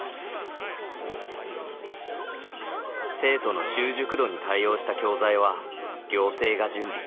生徒の習熟度に対応した教材は行政が準備。